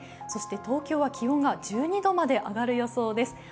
そして東京は気温が１２度まで上がる予想です。